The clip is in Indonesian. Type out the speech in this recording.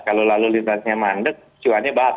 kalau lalu lintasnya mandet cuannya batal deh